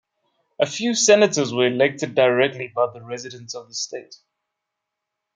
A few senators were elected directly by the residents of the state.